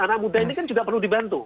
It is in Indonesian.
anak muda ini kan juga perlu dibantu